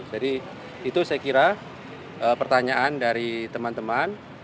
jadi itu saya kira pertanyaan dari teman teman